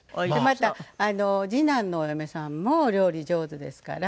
また次男のお嫁さんもお料理上手ですから。